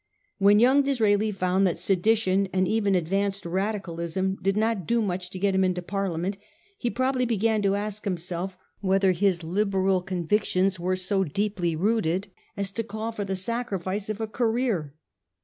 When young Disraeli found that sedition and even advanced Radi calism did not do much to get him into Parliament, he probably began to ask himself whether his Liberal convictions were so deeply rooted as to call for the sacrifice of a career.